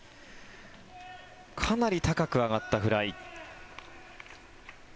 かなり高く上がったフライ。